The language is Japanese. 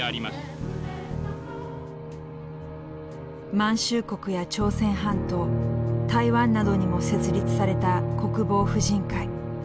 満州国や朝鮮半島台湾などにも設立された国防婦人会。